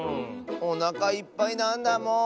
おなかいっぱいなんだもん！